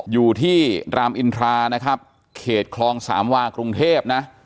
อยู่ที่รามอินทรานะครับเขตคลองสามวากรุงเทพนะ